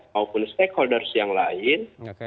maupun stakeholders yang lain